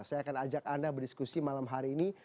saya akan ajak anda berdiskusi malam hari ini